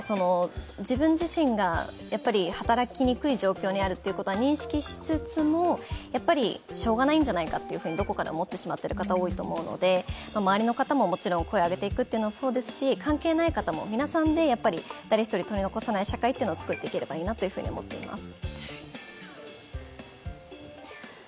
自分自身が働きにくい状況にあるということは認識しつつも、しょうがないんじゃないかとどこかで思ってしまってる方が多いと思いますので、周りの方ももちろん声を上げていくのもそうですし関係ない方も皆さんで誰一人取り残さない社会を作っていければいいなと思っています。